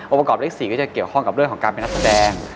ประกอบเลข๔ก็จะเกี่ยวข้องกับเรื่องของการเป็นนักแสดง